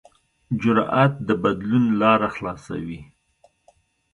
جرأت د بدلون لاره خلاصوي.